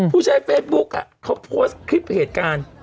ผู้ใช้เฟซบุ๊คเขาโพสต์คลิปเหตุการณ์